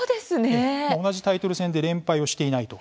同じタイトル戦で連敗をしていないと。